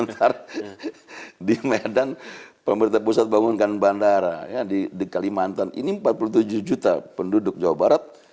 ntar di medan pemerintah pusat bangunkan bandara di kalimantan ini empat puluh tujuh juta penduduk jawa barat